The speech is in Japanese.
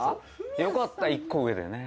よかった１個上でね。